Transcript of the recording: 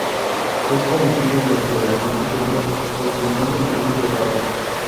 Es conocido dentro del ambiente del tenis por su miembro viril dotado.